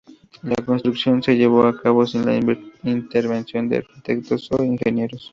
La construcción se llevó a cabo sin la intervención de arquitectos o ingenieros.